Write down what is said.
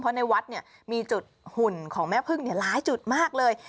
เพราะในวัดเนี่ยมีจุดหุ่นของแม่เพิ่งเนี่ยหลายจุดมากเลย